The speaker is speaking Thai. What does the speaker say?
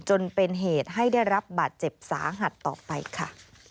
จนเป็นเหตุให้ได้รับบาดเจ็บสาหัสต่อไปค่ะ